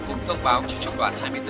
cũng thông báo cho trung đoàn hai mươi bốn